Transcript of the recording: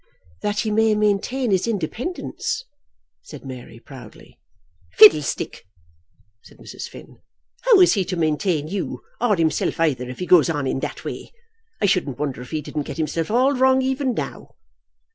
"That he may maintain his independence," said Mary proudly. "Fiddlestick!" said Mrs. Finn. "How is he to maintain you, or himself either, if he goes on in that way? I shouldn't wonder if he didn't get himself all wrong, even now."